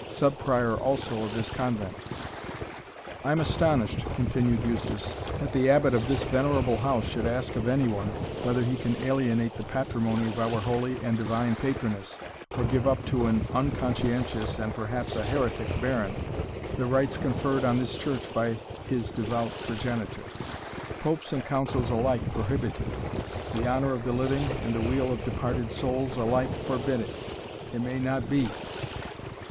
Sub Prior also of this convent." "I am astonished," continued Eustace, "that the Abbot of this venerable house should ask of any one whether he can alienate the patrimony of our holy and divine patroness, or give up to an unconscientious, and perhaps, a heretic baron, the rights conferred on this church by his devout progenitor. Popes and councils alike prohibit it the honour of the living, and the weal of departed souls, alike forbid it it may not be.